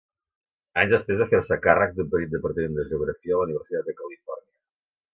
Anys després va fer-se càrrec d’un petit departament de Geografia en la Universitat de Califòrnia.